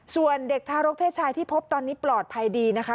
ส่วนเด็กทารกเพศชายที่พบตอนนี้ปลอดภัยดีนะคะ